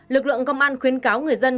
lực lượng công an khuyến cáo người dân